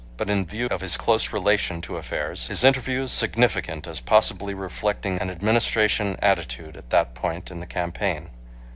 But in view of his close relation to affairs, his interview is significant as possibly reflecting an Administration attitude at that ,point in the campaign.